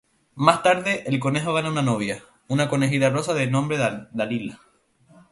Más tarde el conejo gana una novia, una conejita rosa de nombre Dalila.